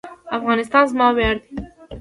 افغانستان زما ویاړ دی